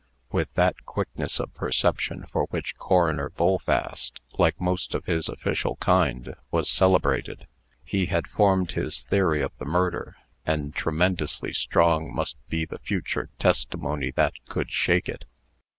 With that quickness of perception for which Coroner Bullfast, like most of his official kind, was celebrated, he had formed his theory of the murder, and tremendously strong must be the future testimony that could shake it.